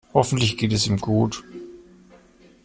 Hoffentlich geht es ihm gut.